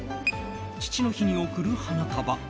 父の日に送る花束。